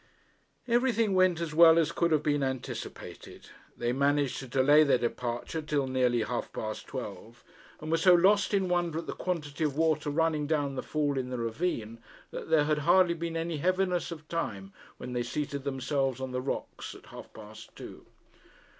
Everything went as well as could have been anticipated. They managed to delay their departure till nearly half past twelve, and were so lost in wonder at the quantity of water running down the fall in the ravine, that there had hardly been any heaviness of time when they seated themselves on the rocks at half past two.